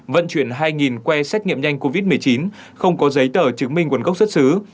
vận chuyển hai quay xét nghiệm nhanh covid một mươi chín không có giấy tờ chứng minh nguồn gốc xuất xứ